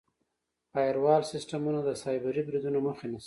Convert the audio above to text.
فایروال سیسټمونه د سایبري بریدونو مخه نیسي.